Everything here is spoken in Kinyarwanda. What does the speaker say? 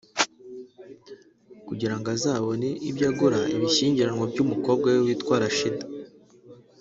kugira ngo azabone ibyo agura ibishyingiranwa by’umukobwa we witwa Rasheeda